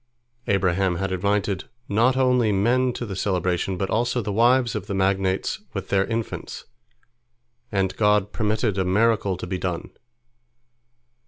Abraham had invited not only men to the celebration, but also the wives of the magnates with their infants, and God permitted a miracle to be done.